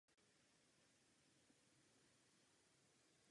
Booleova algebra, výroková logika